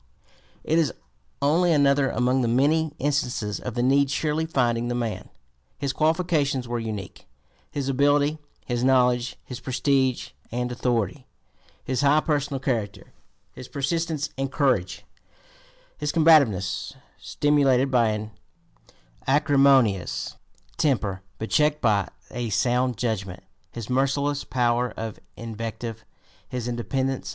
It is only another among the many instances of the need surely finding the man. His qualifications were unique; his ability, his knowledge, his prestige and authority, his high personal character, his persistence and courage, his combativeness stimulated by an acrimonious temper but checked by a sound judgment, his merciless power of invective, his independence (p.